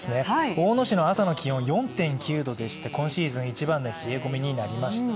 大野市の朝の気温４．９度でして、今シーズン一番の冷え込みになりました。